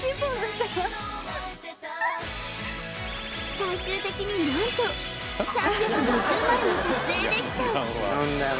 最終的になんと３５０枚も撮影できた！